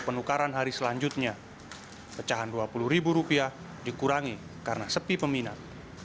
pecahan rp dua puluh dikurangi karena sepi peminat